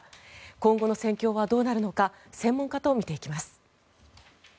今後の戦況はどうなるのか専門家と見ていきます。